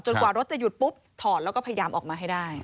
กว่ารถจะหยุดปุ๊บถอดแล้วก็พยายามออกมาให้ได้